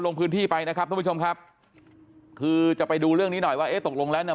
ลงพื้นที่ไปนะครับทุกผู้ชมครับคือจะไปดูเรื่องนี้หน่อยว่าเอ๊ะตกลงแล้วเนี่ย